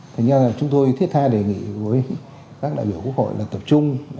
thế nhưng là chúng tôi thiết tha đề nghị với các đại biểu quốc hội là tập trung